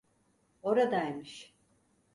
Oradaymış.